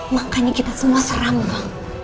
makanya kita semua seram lo